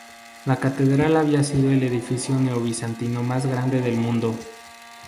La catedral habría sido el edificio neobizantino más grande del mundo.